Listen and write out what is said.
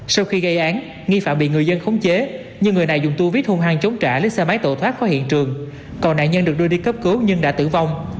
sau khi gây án nghi phạm bị người dân khống chế nhưng người này dùng tu viết hung hang chống trả lấy xe máy tổ thoát khỏi hiện trường còn nạn nhân được đưa đi cấp cứu nhưng đã tử vong